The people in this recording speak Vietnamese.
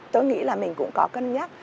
tôi nghĩ là mình cũng có cân nhắc